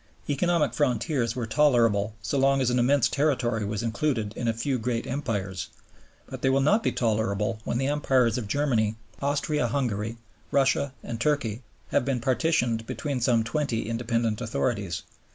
Economic frontiers were tolerable so long as an immense territory was included in a few great Empires; but they will not be tolerable when the Empires of Germany, Austria Hungary, Russia, and Turkey have been partitioned between some twenty independent authorities.